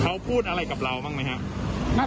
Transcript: เขาพูดอะไรกับเราบ้างไหมครับ